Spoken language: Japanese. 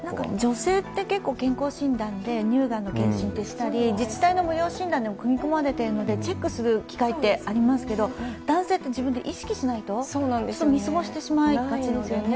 女性って結構、健康診断で乳がん検診をしたり自治体の無料診断でも組み込まれているのでチェックする機会ってありますけど男性って自分で意識しないと見過ごしがちですよね。